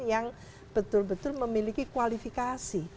yang betul betul memiliki kualifikasi